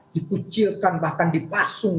dikucilkan bahkan dipasung